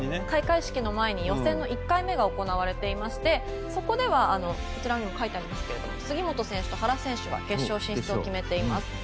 開会式の前に予選１回目が行われていましてそこでは杉本選手と原選手が決勝進出を決めています。